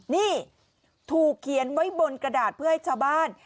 นี่ถูกเขียนไว้บนกระดาษเพื่อให้ชาวบ้าน